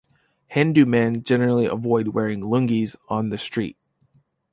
Hindu men generally avoid wearing lungis on the street.